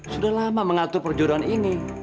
sudah lama mengatur perjuruan ini